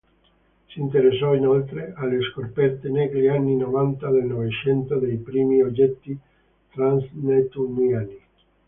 Si interessò, inoltre, alle scoperte negli anni novanta del Novecento dei primi oggetti transnettuniani.